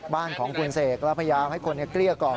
บ้านของคุณเสกแล้วพยายามให้คนเกลี้ยกล่อม